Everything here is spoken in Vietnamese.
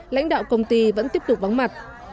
lãnh đạo công ty vẫn tiếp tục vắng mặt